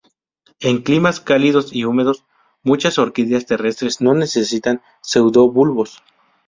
En climas cálidos y húmedos muchas orquídeas terrestres no necesitan pseudobulbos.